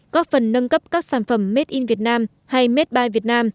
có phần nâng cấp các sản phẩm made in việt nam